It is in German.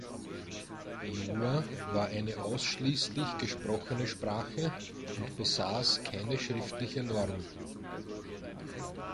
Yola war eine ausschließlich gesprochene Sprache und besaß keine schriftliche Norm.